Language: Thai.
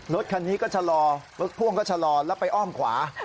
รถคันนี้ก็ชะลอรถพ่วงก็ชะลอแล้วไปอ้อมขวา